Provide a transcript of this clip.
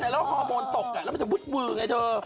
แล้วฮอร์โมนตกแล้วมันจะวุดมือไงเธอ